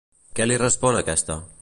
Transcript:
Què li respon aquesta?